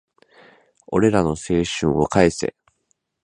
俺らの青春を返せ